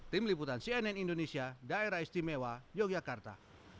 tim liputan cnn indonesia daerah istimewa yogyakarta